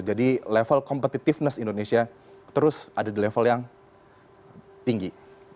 jadi level competitiveness indonesia terus ada di level yang tinggi